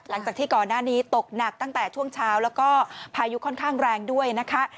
หลังจากที่ก่อนหน้านี้ตกหนักตั้งแต่ช่วงเช้าแล้วก็พายุค่อนข้างแรงด้วยนะคะ